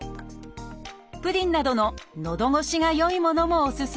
プリンなどののどごしがよいものもおすすめです。